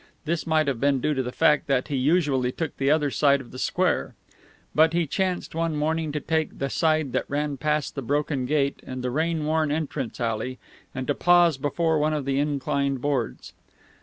This might have been due to the fact that he usually took the other side of the square. But he chanced one morning to take the side that ran past the broken gate and the rain worn entrance alley, and to pause before one of the inclined boards.